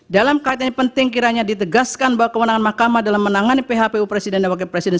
dalam kaitan ini penting kiranya ditegaskan bahwa kewenangan mahkamah dalam menangani phpu presiden dan wakil presiden